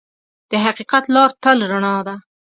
د حقیقت لار تل رڼا ده.